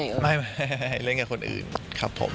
ไม่น้องวิวค่ะเด้อไม่เล่นกับคนอื่นครับผม